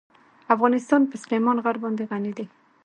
افغانستان په سلیمان غر باندې غني دی.